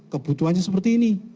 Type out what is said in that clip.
kebutuhannya seperti ini